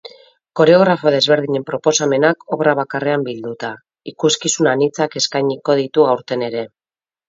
Koreografo desberdinen proposamenak obra bakarrean bilduta, ikuskizun anitzak eskainiko ditu aurten ere.